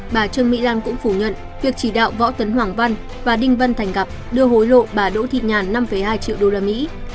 bà trương mỹ lan cũng phủ nhận việc chỉ đạo võ tấn hoàng văn và đinh văn thành gặp đưa hối lộ bà đỗ thịt nhàn năm hai triệu usd